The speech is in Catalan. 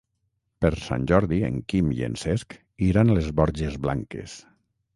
Per Sant Jordi en Quim i en Cesc iran a les Borges Blanques.